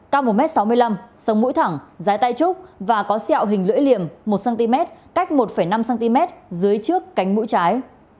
cao một m sáu mươi năm sống mũi thẳng dài tay trúc và có sẹo hình lưỡi liềm một cm cách một năm cm dưới trước cánh mũi trái